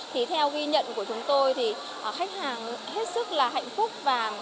thì theo ghi nhận của chúng tôi thì khách hàng hết sức là hạnh phúc và